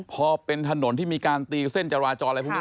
พอเป็นถนนที่มีการตีเส้นจราจรอะไรพวกนี้